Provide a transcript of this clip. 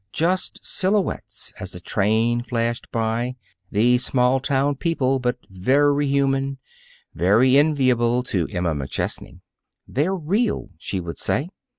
Just silhouettes as the train flashed by these small town people but very human, very enviable to Emma McChesney. "They're real," she would say.